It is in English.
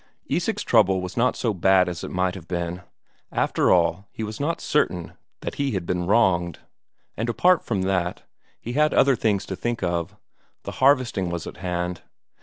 Isak's trouble was not so bad as it might have been; after all, he was not certain that he had been wronged, and apart from that, he had other things to think of; the harvesting was at hand.